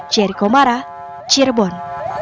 jeriko mara cirebon